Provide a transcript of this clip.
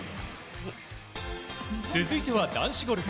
続いては男子ゴルフ。